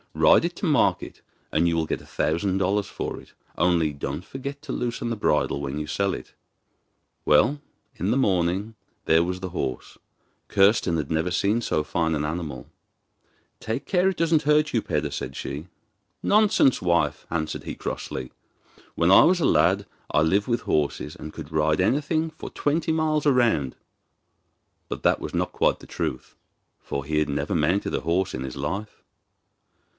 Ride it to market and you will get a thousand dollars for it. Only don't forget to loosen the bridle when you sell it.' Well, in the morning there was the horse; Kirsten had never seen so find an animal. 'Take care it doesn't hurt you, Peder,' said she. 'Nonsense, wife,' answered he crossly. 'When I was a lad I lived with horses, and could ride anything for twenty miles round.' But that was not quite the truth, for he had never mounted a horse in his life.